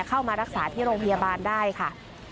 เข้ามารักษาที่โรงพยาบาลได้ค่ะ